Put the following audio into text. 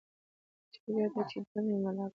جرګه ده چې ډم یې ملا کړ.